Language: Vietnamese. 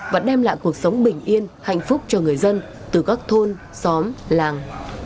và đem lại cuộc sống bình yên hạnh phúc cho người dân từ các thôn xóm làng